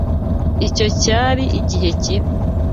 Icyo cyari igihe kibi.